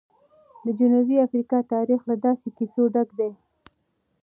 د جنوبي افریقا تاریخ له داسې کیسو ډک دی.